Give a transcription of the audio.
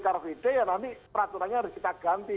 karena nanti peraturannya harus kita ganti